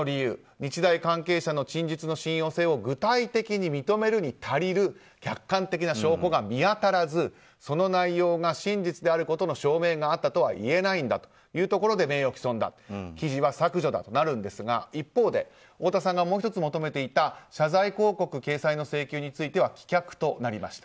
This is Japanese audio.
日大関係者の陳述の信用性を具体的に認めるに足りる客観的な証拠が見当たらずその内容が真実であることの証明があったとは言えないんだということで名誉毀損だ記事は削除だとなるんですが一方で、太田さんがもう１つ求めていた謝罪広告掲載の請求については棄却となりました。